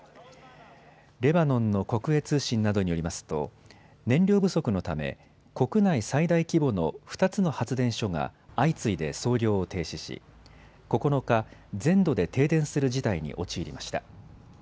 レバノンの国営通信などによりますと燃料不足のため国内最大規模の２つの発電所が相次いで操業を停止し９日、全土で停電する事態に陥りました。